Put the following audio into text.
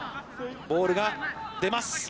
ボールが出ます。